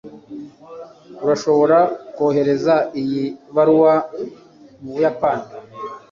urashobora kohereza iyi baruwa mubuyapani